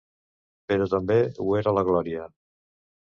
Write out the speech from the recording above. Però també ho era la Gloria.